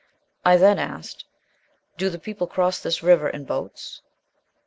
I then asked, 'Do the people cross this river in boats?'